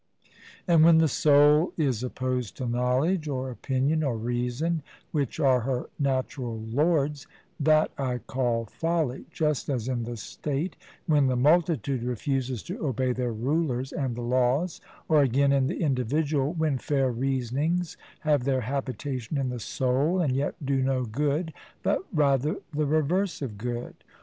And when the soul is opposed to knowledge, or opinion, or reason, which are her natural lords, that I call folly, just as in the state, when the multitude refuses to obey their rulers and the laws; or, again, in the individual, when fair reasonings have their habitation in the soul and yet do no good, but rather the reverse of good.